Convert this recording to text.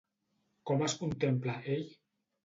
Com es contempla ell?